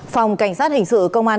phòng cảnh sát hình sự công an